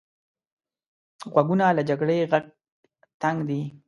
غوږونه له جګړې غږ تنګ دي